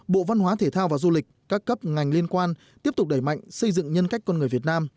bộ văn hóa thể thao và du lịch các cấp ngành liên quan tiếp tục đẩy mạnh xây dựng nhân cách con người việt nam